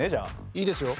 いいですよ。